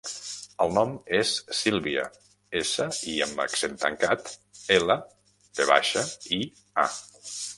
El nom és Sílvia: essa, i amb accent tancat, ela, ve baixa, i, a.